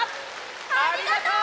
ありがとう！